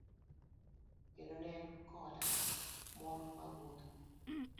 Kendo ne en koda mor mogundho.